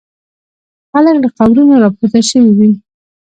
خلک له قبرونو را پورته شوي وي.